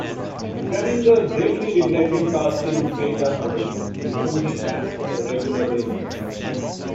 Preminger greatly regretted casting Faye Dunaway, with whom he clashed on a regular basis.